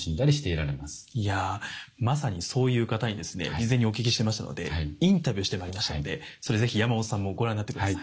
いやまさにそういう方にですね事前にお聞きしていましたのでインタビューして参りましたのでそれ是非山本さんもご覧になって下さい。